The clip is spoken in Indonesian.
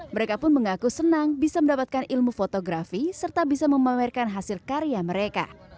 mereka pun mengaku senang bisa mendapatkan ilmu fotografi serta bisa memamerkan hasil karya mereka